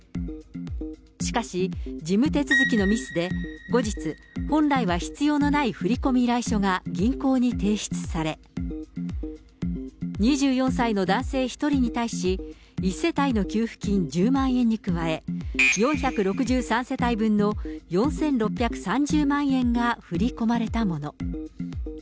しかし、事務手続きのミスで、後日、本来は必要のない振込依頼書が銀行に提出され、２４歳の男性１人に対し、１世帯の給付金１０万円に加え、４６３世帯分の４６３０万円が振り込まれたもの。